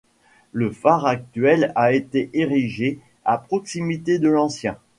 Le phare actuel a été érigé à proximité de l'ancien.